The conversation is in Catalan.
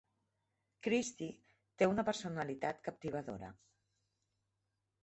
Christy té una personalitat captivadora.